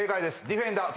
ディフェンダー。